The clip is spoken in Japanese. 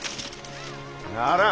ならん。